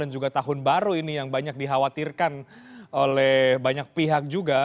dan juga tahun baru ini yang banyak dikhawatirkan oleh banyak pihak juga